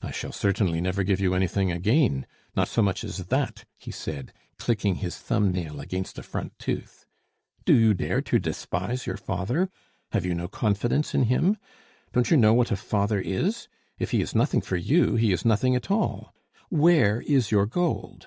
"I shall certainly never give you anything again. Not so much as that!" he said, clicking his thumb nail against a front tooth. "Do you dare to despise your father? have you no confidence in him? Don't you know what a father is? If he is nothing for you, he is nothing at all. Where is your gold?"